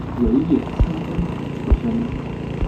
尾野真千子出身。